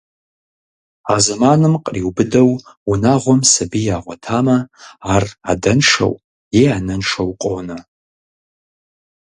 А зэманым къриубыдэу унагъуэм сабий ягъуэтамэ, ар адэншэу е анэншэу къонэ.